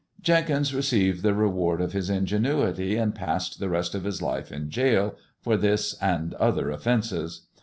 Jenkins received the reward of his ingenuity, and passed the rest of his life in gaol for this and other offences.